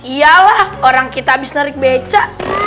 iya lah orang kita habis nerik beca